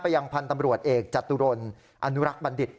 ไปยังพันตำรวจเอกจัตุรนิย์อนุรักษ์บัณฑิษฐ์